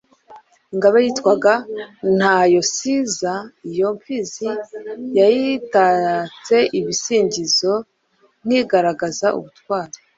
Ingabe yitwaga "Ntayozisa". Iyo Mfizi yayitatse ibisingizo nk'igaragaza ubutwari